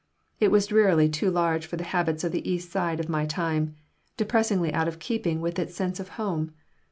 It was drearily too large for the habits of the East Side of my time, depressingly out of keeping with its sense of home.